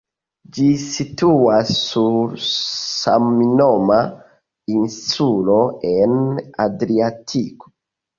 Ĝi situas sur samnoma insulo en Adriatiko.